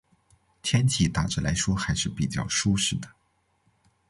天气大致来说还是比较舒适的。